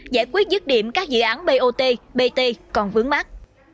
giải quyết dứt điểm các dự án bot bt còn vướng mắt